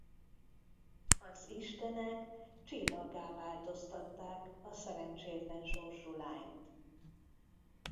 Az istenek csillaggá változtatták a szerencsétlen sorsú lányt.